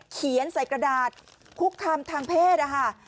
เขียนใส่กระดาษคุกคำทางเพศ